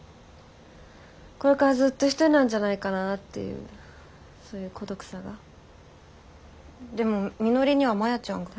これからずっと一人なんじゃないかなっていうそういう孤独さが。でもみのりには摩耶ちゃんが。